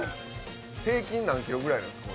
平均何ｋｇぐらいなんですか。